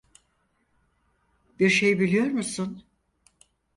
Bir şey biliyor musun?